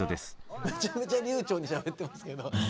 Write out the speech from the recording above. めちゃめちゃ流ちょうにしゃべってますけど。